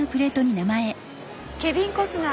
ケビン・コスナー。